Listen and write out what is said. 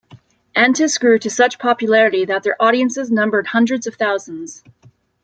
Antis grew to such popularity that their audiences numbered hundreds of thousands.